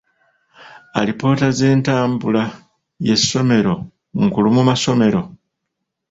Alipoota z'entambula y'essomero nkulu mu masomero?